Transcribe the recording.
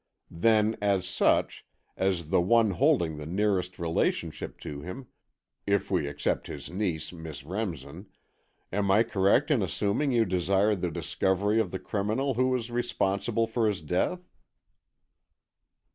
"Then, as such, as the one holding the nearest relationship to him, if we except his niece, Miss Remsen, am I correct in assuming you desire the discovery of the criminal who is responsible for his death?"